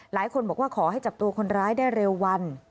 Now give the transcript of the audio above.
หลายคนบอกว่าขอให้จับตัวคนร้ายได้เร็ววัน